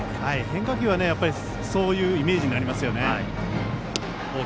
変化球はそういうイメージになりますよね。